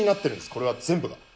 これが全部が。